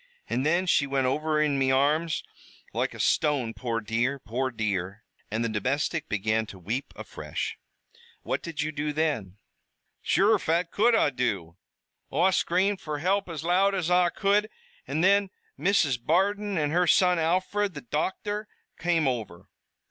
An' thin she wint over in me arms loike a stone, poor dear, poor dear!" And the domestic began to weep afresh. "What did you do then?" "Sure, phat could Oi do? Oi scr'amed fer hilp as loud as Oi could, an' thin Mrs. Bardon an' her son, Alfred, the docthor, came over."